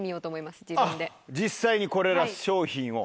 実際にこれら商品を。